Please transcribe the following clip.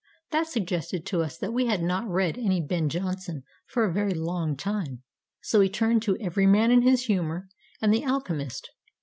That suggested to us that we had not read any Ben Jonson for a very long time: so we turned to "Every Man in His Humour" and "The Alchemist."